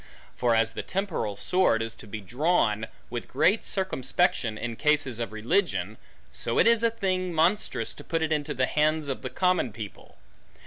For as the temporal sword is to be drawn with great circumspection in cases of religion; so it is a thing monstrous to put it into the hands of the common people.